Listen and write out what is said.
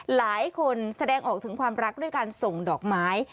แสดงออกถึงความรักด้วยการส่งดอกไม้